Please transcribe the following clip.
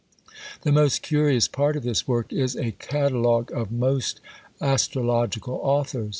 The most curious part of this work is "a Catalogue of most astrological authors."